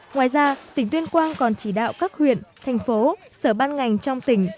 ngoài ra tỉnh tuyên quang còn chỉ đạo các huyện thành phố sở ban ngành trong tỉnh